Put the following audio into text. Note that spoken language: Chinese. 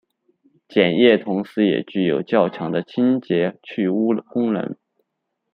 碱液同时也具有较强的清洁去污功能。